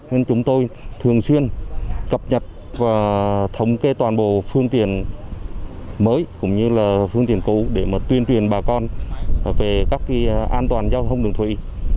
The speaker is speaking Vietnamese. nên chúng tôi thường xuyên cập nhật và thống kê toàn bộ phương tiện mới cũng như là phương tiện cũ để tuyên truyền bà con về các an toàn giao thông đường thủy